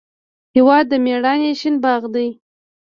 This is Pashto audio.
هېواد د میړانې شین باغ دی.